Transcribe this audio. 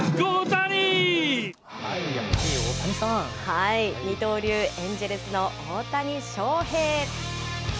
はい、二刀流、エンジェルスの大谷翔平。